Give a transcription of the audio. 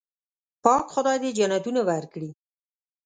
پاک خدای دې جنتونه ورکړي.